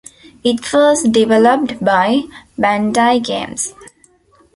It was developed by Bandai Games.